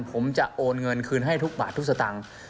ผมจะโอนเงินคืนให้ทุกบาททุกสตางค์